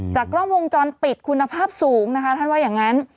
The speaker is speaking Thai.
กล้องวงจรปิดคุณภาพสูงนะคะท่านว่าอย่างนั้น